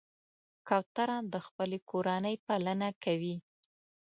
کوتره د خپلې کورنۍ پالنه کوي.